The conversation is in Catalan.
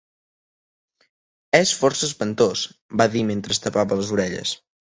"És força espantós", va dir mentre es tapava les orelles.